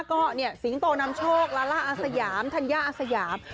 ก็สิงโตนำโชคลาล่าอาสยามธัญญาอาสยาม